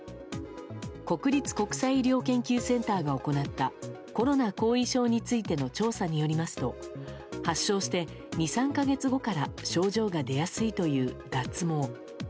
国立国際医療研究センターが行ったコロナ後遺症についての調査によりますと発症して２３か月後から症状が出やすいという脱毛。